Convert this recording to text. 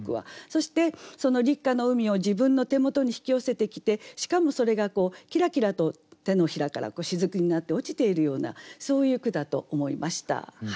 そしてその立夏の海を自分の手元に引き寄せてきてしかもそれがキラキラと掌から雫になって落ちているようなそういう句だと思いました。